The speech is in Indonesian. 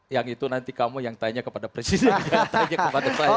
yang itu nanti kamu yang tanya kepada presiden jangan tanya kepada saya